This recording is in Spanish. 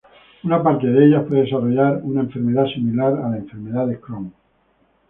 Una parte de ellas puede desarrollar una enfermedad similar a la enfermedad de Crohn.